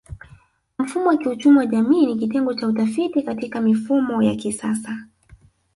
Mfumo wa kiuchumi wa jamii ni kitengo cha utafiti Katika mifumo ya kisasa